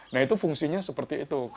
nah itu fungsinya seperti itu